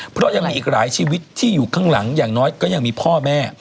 เพราะยังมีอีกหลายชีวิตที่อยู่ข้างหลังอย่างน้อยก็ยังมีพ่อแม่